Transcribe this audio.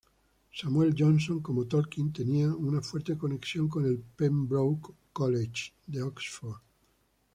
Samuel Johnson, como Tolkien, tenía una fuerte conexión con el Pembroke College de Oxford.